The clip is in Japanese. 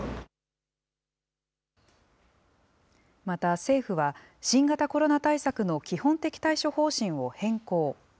また政府は、新型コロナ対策の基本的対処方針を変更。